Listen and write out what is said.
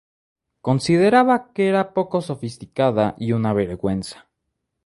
Consideraba que era poco sofisticada y una vergüenza.